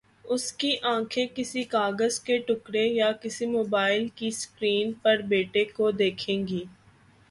اس کے آنکھیں کسی کاغذ کے ٹکڑے یا کسی موبائل کی سکرین پر بیٹے کو دیکھیں گی۔